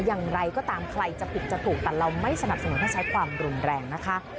อย่างไรก็ตามใครจะผิดจะถูกแต่เราไม่สนับสนุนให้ใช้ความรุนแรงนะคะ